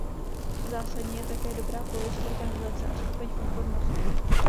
Zásadní je také dobrá pověst organizace a stupeň odbornosti.